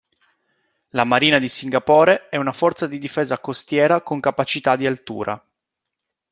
La marina di Singapore è una forza di difesa costiera con capacità di altura.